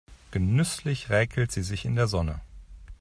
Genüsslich räkelt sie sich in der Sonne.